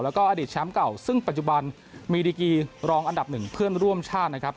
แล้วก็อดีตแชมป์เก่าซึ่งปัจจุบันมีดีกีรองอันดับหนึ่งเพื่อนร่วมชาตินะครับ